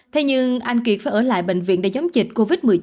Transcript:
thế nhưng anh kiệt phải ở lại bệnh viện để chống dịch covid một mươi chín